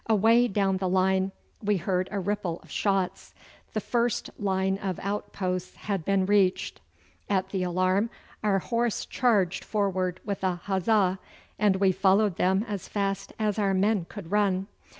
Away down the line we heard a ripple of shots. The first line of outposts had been reached. At the alarm our horse charged forward with a huzza, and we followed them as fast as our men could run.